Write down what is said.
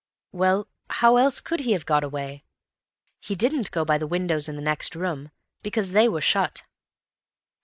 "Well, how else could he have got away? He didn't go by the windows in the next room, because they were shut."